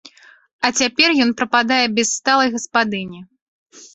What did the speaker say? А цяпер ён прападае без сталай гаспадыні.